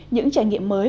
những trải nghiệm mới